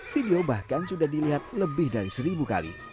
video bahkan sudah dilihat lebih dari seribu kali